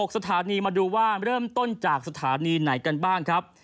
สถานีมาดูว่าเริ่มต้นจากสถานีไหนกันบ้างครับ